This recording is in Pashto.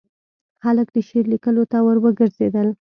خلک د شعر لیکلو ته وروګرځېدل.